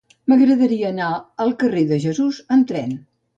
M'agradaria anar al carrer de Jesús amb tren.